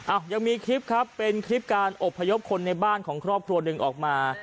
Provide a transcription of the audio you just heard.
ยังมีคลิปครับเป็นคลิปการอบพยพคนในบ้านของครอบครัวหนึ่งออกมา